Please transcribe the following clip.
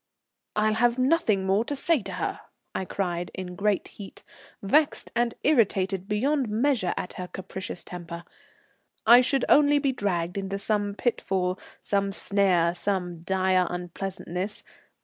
"I'll have nothing more to say to her," I cried in great heat, vexed and irritated beyond measure at her capricious temper. I should only be dragged into some pitfall, some snare, some dire unpleasantness.